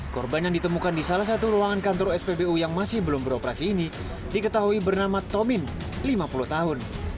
korban yang ditemukan di salah satu ruangan kantor spbu yang masih belum beroperasi ini diketahui bernama tomin lima puluh tahun